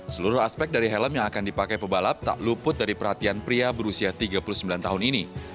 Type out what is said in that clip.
seluruh aspek dari helm yang akan dipakai pebalap tak luput dari perhatian pria berusia tiga puluh sembilan tahun ini